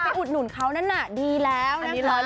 อุดหนุนเขานั่นน่ะดีแล้วนะคะ